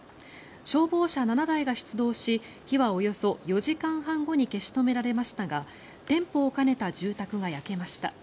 消防車７台が出動し火はおよそ４時間半後に消し止められましたが店舗を兼ねた住宅が焼けました。